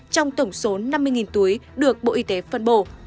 trong tổng số năm mươi túi được bộ y tế phân bổ